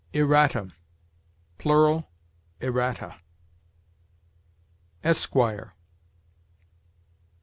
ERRATUM. Plural, errata. ESQUIRE.